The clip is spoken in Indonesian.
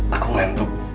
aku main untuk